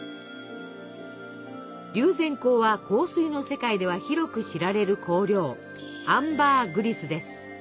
龍涎香は香水の世界では広く知られる香料アンバーグリスです。